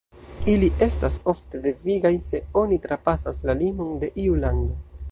Ili estas ofte devigaj, se oni trapasas la limon de iu lando.